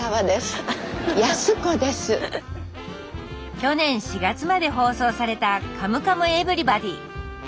去年４月まで放送された「カムカムエヴリバディ」